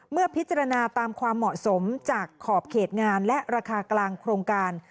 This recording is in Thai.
เมื่อพิจารณาตามความเหมาะสมจากขอบเขตงานและราคากลางโครงการ